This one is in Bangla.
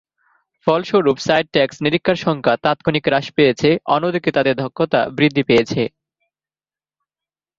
ফলস্বরূপ, সাইট ট্যাক্স নিরীক্ষার সংখ্যা তাত্ক্ষণিক হ্রাস পেয়েছে, অন্যদিকে তাদের দক্ষতা বৃদ্ধি পেয়েছে।